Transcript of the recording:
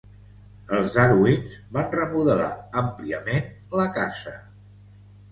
Els Darwins van remodelar àmpliament la casa.